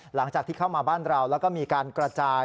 หลังจากที่เข้ามาบ้านเราแล้วก็มีการกระจาย